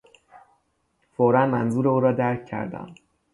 فورا منظور او را درک کردم.